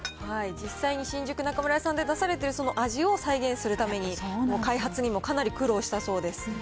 実際に新宿中村屋さんで出されてるその味を再現するために、開発にもかなり苦労したそうです。